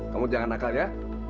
kamu jangan nakal ya